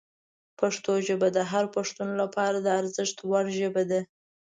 پښتو ژبه د هر پښتون لپاره د ارزښت وړ ژبه ده.